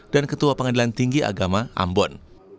dan ketua pengadilan tinggi agama ambon